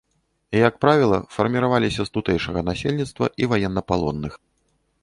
Як правіла, фармаваліся з тутэйшага насельніцтва і ваеннапалонных.